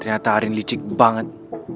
ternyata arin licik banget